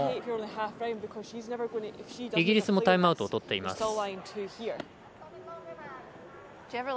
イギリスもタイムアウトを取っています。